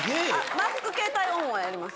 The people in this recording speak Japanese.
マスク携帯オンはやります。